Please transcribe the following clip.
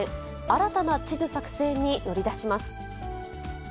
新たな地図作製に乗り出します。